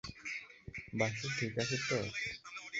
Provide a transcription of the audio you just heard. বাসু ঠিক আছে তো?